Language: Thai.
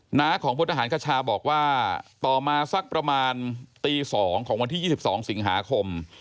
หน้าของพลทหารคชาบอกว่าต่อมาสักประมาณตี๒ของวันที่๒๒สิงหาคม